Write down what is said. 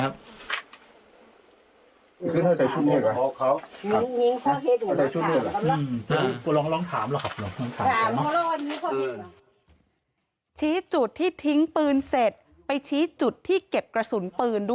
ชี้จุดที่ทิ้งปืนเสร็จไปชี้จุดที่เก็บกระสุนปืนด้วย